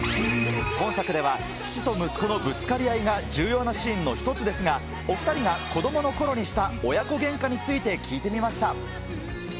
本作では、父と息子のぶつかり合いが重要なシーンの一つですが、お２人が子どものころにした親子げんかについて聞いてみました。